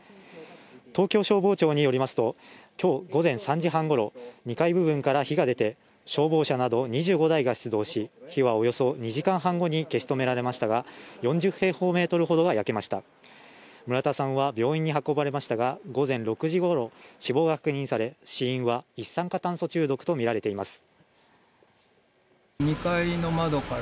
東京消防庁によりますと今日午前３時半ごろ２階部分から火が出て消防車など２５台が出動し火はおよそ２時間半後に消し止められましたが４０平方メートルほどが焼けました村田さんは病院に運ばれましたが午前６時ごろ死亡が確認され死因は一酸化炭素中毒と見られています